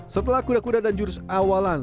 setelah kuda kuda dan jurus awalan